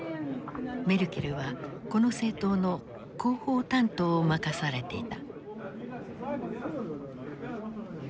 メルケルはこの政党の広報担当を任されていた。